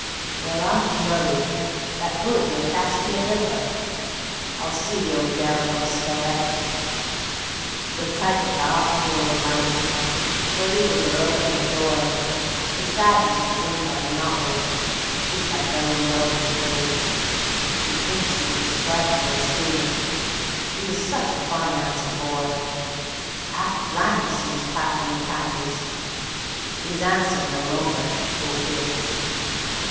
... (Well, I'm blowed, That bullet near catched me a biffer) I'll see the old gel if I'm spared. She'll tike it to 'eart, pore ol' lydy, fer 'e was 'er 'ope and 'er joy; 'Is dad used to drink like a knot 'ole, she kept the 'ome goin', she did: She pinched and she scriped fer 'is scoolin', 'e was sich a fine 'andsome boy ('Alf Flanders seems packed on me panties) 'e's 'andsome no longer, pore kid!